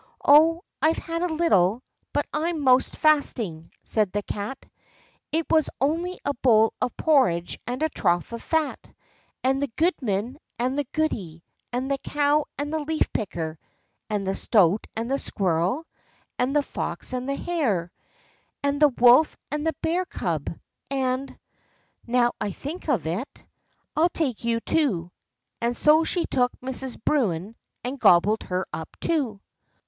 "Oh, I've had a little, but I'm 'most fasting," said the Cat; "it was only a bowl of porridge, and a trough of fat, and the goodman, and the goody, and the cow, and the leaf picker, and the stoat, and the squirrel, and the fox, and the hare, and the wolf, and the bear cub—and, now I think of it, I'll take you too," and so she took Mrs. Bruin and gobbled her up too.